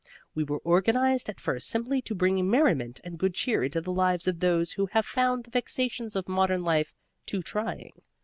We were organized at first simply to bring merriment and good cheer into the lives of those who have found the vexations of modern life too trying.